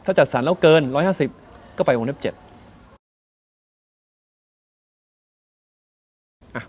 ถ้าจัดสรรแล้วเกิน๑๕๐ก็ไปโรงเรียบ๗